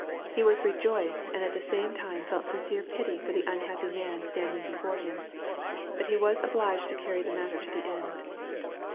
He was rejoiced and at the same time felt sincere pity for the unhappy man standing' before him, but he was obliged to carry the matter to the end.